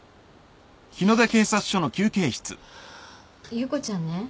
優子ちゃんね